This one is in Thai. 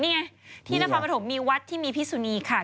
นี่ไงที่นครปฐมมีวัดที่มีพิสุนีค่ะ